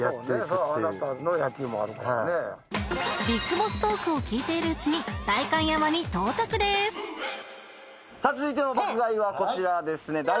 ビッグボストークを聞いているうちにさあ続いての爆買いはこちらですね。